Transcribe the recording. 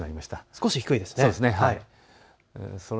少し低いんですね。